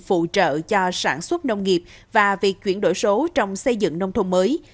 phụ trợ cho sản xuất nông nghiệp và việc chuyển đổi số trong xây dựng nông thôn mới